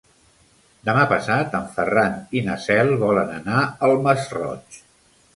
Demà passat en Ferran i na Cel volen anar al Masroig.